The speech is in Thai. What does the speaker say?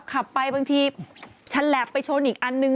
บางทีขับไปบางทีฉันแหลกไปชนอีกอันหนึ่ง